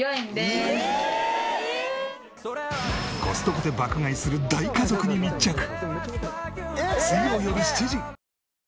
コストコで爆買いする大家族に密着！